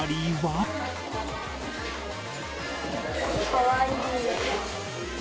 かわいい。